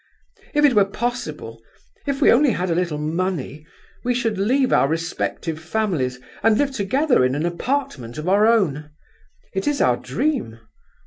If it were possible, if we only had a little money, we should leave our respective families, and live together in a little apartment of our own. It is our dream.